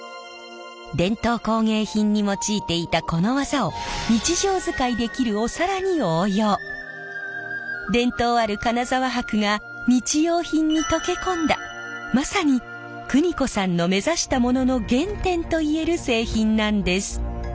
伝統工芸品に用いていたこの技を伝統ある金沢箔が日用品にとけ込んだまさに邦子さんの目指したものの原点といえる製品なんです。